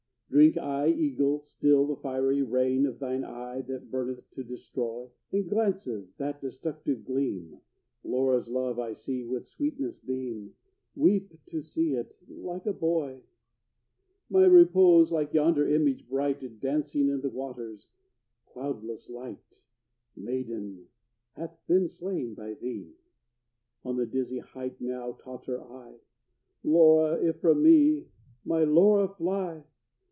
Drink I, eagle, still the fiery rain Of thine eye, that burneth to destroy? In the glances that destructive gleam, Laura's love I see with sweetness beam, Weep to see it like a boy! My repose, like yonder image bright, Dancing in the waters cloudless, light, Maiden, hath been slain by thee! On the dizzy height now totter I Laura if from me my Laura fly!